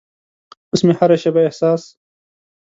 اوس مې هره شیبه احساس